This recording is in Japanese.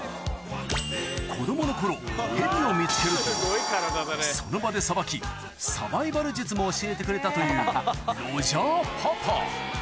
子供の頃ヘビを見つけるとその場でさばきサバイバル術も教えてくれたというロジャーパパ